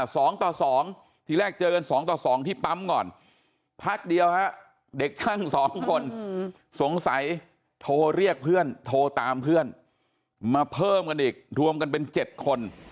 สองต่อสองทีแรกเจอกันสองต่อสองที่ปั๊มก่อนพักเดียวฮะเด็กช่างสองคนสงสัยโทรเรียกเพื่อนโทรตามเพื่อนมาเพิ่มกันอีกรวมกันเป็นเจ็ดคน